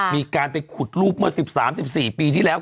มีการไปขุดรูปเมื่อ๑๓๑๔ปีที่แล้ว